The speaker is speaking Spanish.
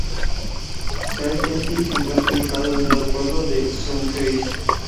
Brewster Hill se encuentra ubicado dentro del pueblo de Southeast.